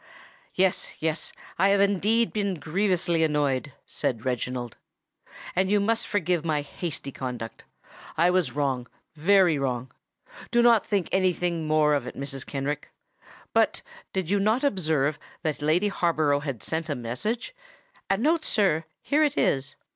"Yes—yes—I have indeed been grievously annoyed," said Reginald; "and you must forgive my hasty conduct. I was wrong—very wrong. Do not think anything more of it, Mrs. Kenrick. But did you not observe that Lady Harborough had sent a message——" "A note, sir. Here it is."